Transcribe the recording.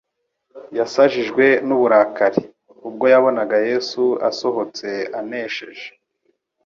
yasajijwe n'uburakari. Ubwo yabonaga Yesu asohotse anesheje,